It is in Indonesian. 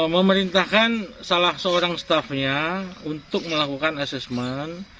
memerintahkan salah seorang staffnya untuk melakukan asesmen